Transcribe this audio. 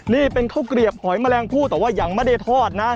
นี่เป็นข้าวเกลียบหอยแมลงผู้แต่ว่ายังไม่ได้ทอดนะ